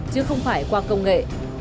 chứ không phải qua công nghệ